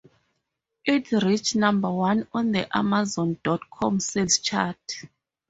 It reached number one on the Amazon dot com sales chart.